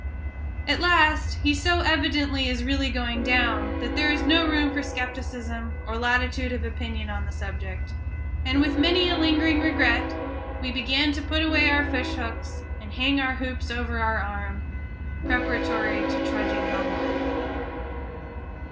At last, he so evidently is really going down, that there is no room for skepticism or latitude of opinion on the subject; and with many a lingering regret, we began to put away our fish hooks, and hang our hoops over our arm, preparatory to trudging homeward.